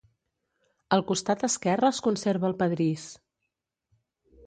Al costat esquerre es conserva el pedrís.